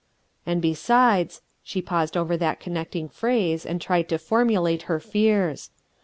And besides — she paused over that connecting phrase and tried to formulate her fears.